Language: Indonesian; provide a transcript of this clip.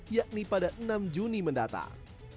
yakni pada enam juni mendatang